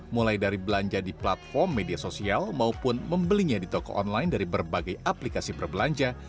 mulai dari belanja di platform media sosial maupun membelinya di toko online dari berbagai aplikasi berbelanja